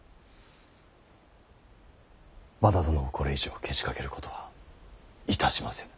和田殿をこれ以上けしかけることはいたしません。